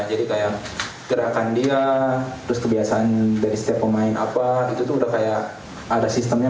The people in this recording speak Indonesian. jadi gerakan dia kebiasaan dari setiap pemain itu sudah ada sistemnya